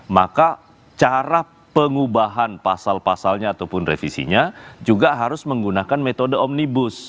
maka cara pengubahan pasal pasalnya ataupun revisinya juga harus menggunakan metode omnibus